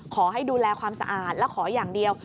ขอให้ดูแลความสะอาดและขออย่างเดียว